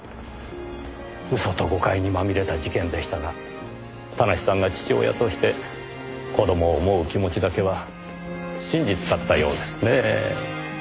嘘と誤解にまみれた事件でしたが田無さんが父親として子供を思う気持ちだけは真実だったようですねぇ。